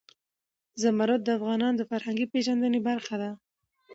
زمرد د افغانانو د فرهنګي پیژندنې برخه ده.